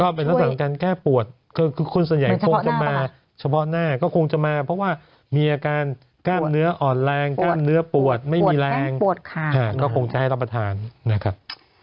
ก็เป็นต้นทางการแก้ปวดเพราะว่ามีอาการกล้ามเนื้ออ่อนแรงกล้ามเนื้อปวดไม่มีแรงก็คงจะให้รับประทานนะครับ